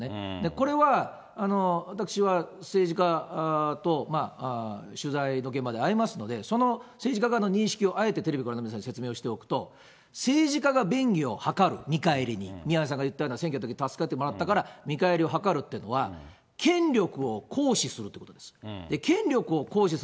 これは私は政治家と、取材の現場で会いますので、その政治家側の認識をあえてテレビをご覧の皆さんにご説明しますと、政治家が便宜を図る、見返りに、宮根さんが言った選挙のときに助けてもらったから見返りをはかるというのは、権力を行使するということです。